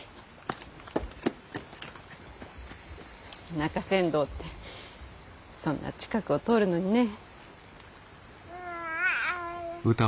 中山道ってそんな近くを通るのにねぇ。